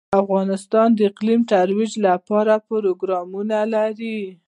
افغانستان د اقلیم د ترویج لپاره پروګرامونه لري.